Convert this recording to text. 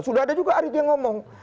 sudah ada juga arief yang ngomong